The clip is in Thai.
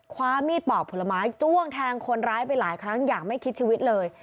คว้ามีดปอกผลไม้จ้วงแทงคนร้ายไปหลายครั้งอย่างไม่คิดชีวิตเลย